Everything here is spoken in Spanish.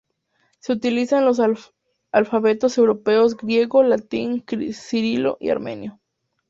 Se utiliza en los alfabetos europeos griego, latín, cirílico y armenio.